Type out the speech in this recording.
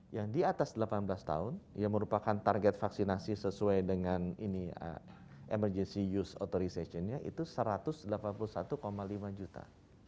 yang di atas delapan belas tahun yang merupakan target vaksinasi sesuai dengan emergency use authorization nya itu satu ratus delapan puluh satu lima juta